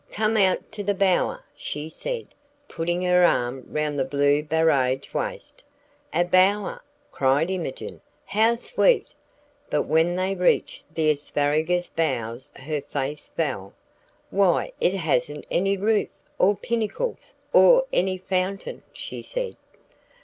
"Come out to the bower," she said, putting her arm round the blue barège waist. "A bower!" cried Imogen. "How sweet!" But when they reached the asparagus boughs her face fell. "Why it hasn't any roof, or pinnacles, or any fountain!" she said.